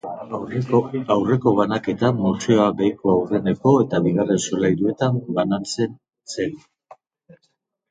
Aurreko banaketan, museoa beheko, aurreneko eta bigarren solairuetan banatzen zen.